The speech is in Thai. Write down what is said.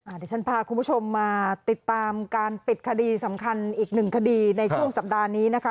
เดี๋ยวฉันพาคุณผู้ชมมาติดตามการปิดคดีสำคัญอีกหนึ่งคดีในช่วงสัปดาห์นี้นะคะ